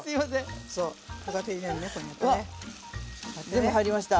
全部入りました。